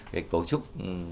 cái cấu trúc